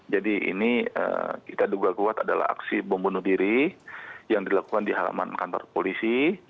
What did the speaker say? ini kita duga kuat adalah aksi bom bunuh diri yang dilakukan di halaman kantor polisi